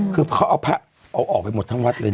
คือเขาเอาพระเอาออกไปหมดทั้งวัดเลยนะ